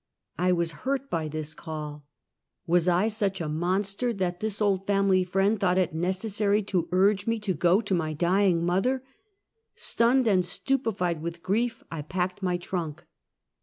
I was hurt by this call. "Was I snch a monster that this old family friend thought it necessary to urge me to go to my dying mother? Stunned and stupilied with grief, I packed my trunk.